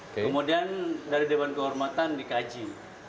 kemudian dari dewan kehormatan dikaji